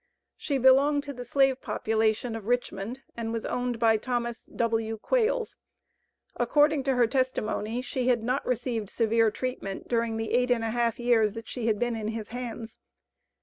She belonged to the slave population of Richmond, and was owned by Thomas W. Quales. According to her testimony, she had not received severe treatment during the eight and a half years that she had been in his hands.